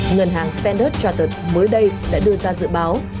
ngân hàng standard trauters mới đây đã đưa ra dự báo